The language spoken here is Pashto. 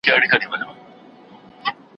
سړي وویل وراره دي حکمران دئ